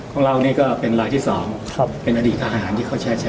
ของเราเนี้ยก็เป็นลายที่สองครับเป็นอดีตทหารที่เขาแช่แช่